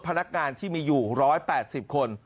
พนักงานที่มีอยู่๑๘๐คน